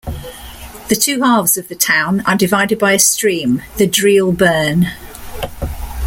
The two halves of the town are divided by a stream, the Dreel Burn.